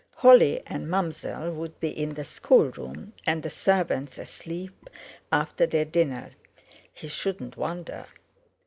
Holly and Mam'zelle would be in the schoolroom, and the servants asleep after their dinner, he shouldn't wonder.